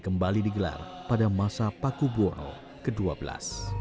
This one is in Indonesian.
kembali digelar pada masa paku buwono xii